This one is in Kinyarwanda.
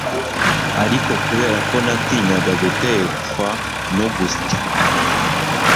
ariko kubera ko natinyaga gutekwa no gusya